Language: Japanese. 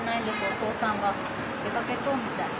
お父さんが出かけとうみたい。